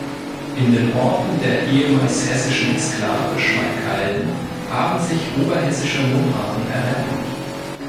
In den Orten der ehemals hessischen Exklave Schmalkalden haben sich oberhessische Mundarten erhalten.